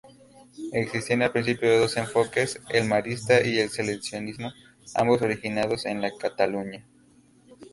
Existían al principio dos enfoques: el marista y el salesiano ambos originados en Cataluña.